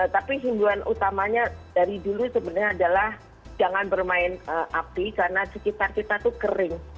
tapi himbuan utamanya dari dulu sebenarnya adalah jangan bermain api karena sekitar kita itu kering